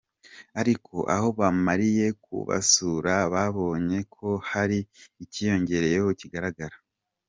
Ariko aho bamariye kubasura babonye ko hari ikiyongereyeho kigaragara.